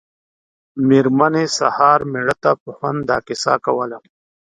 مېرمنې سهار مېړه ته په خوند دا کیسه کوله.